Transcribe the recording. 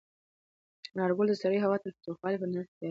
انارګل د سړې هوا تریخوالی په نره تېراوه.